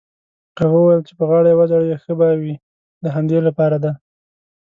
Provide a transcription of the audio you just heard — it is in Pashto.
هغه وویل: چې په غاړه يې وځړوې ښه به وي، د همدې لپاره دی.